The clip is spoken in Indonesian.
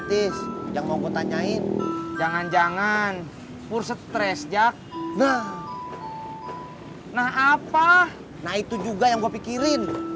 tis yang mau tanyain jangan jangan pur stress jack nah nah apa nah itu juga yang gue pikirin